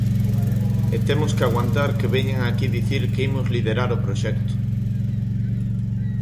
E temos que aguantar que veñan aquí dicir que imos liderar o proxecto.